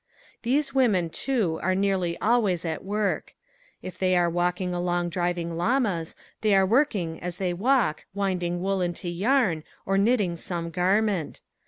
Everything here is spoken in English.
These women too are nearly always at work. If they are walking along driving llamas they are working as they walk winding wool into yarn or knitting some garment.